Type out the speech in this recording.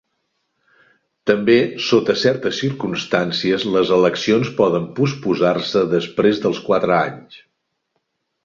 També sota certes circumstàncies les eleccions poden postposar-se després dels quatre anys.